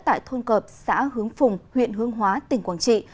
tại thôn cợp xã hướng phùng huyện hương hóa tỉnh quảng trị